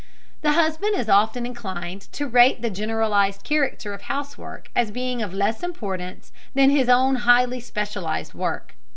The husband is often inclined to rate the generalized character of housework as being of less importance than his own highly specialized work.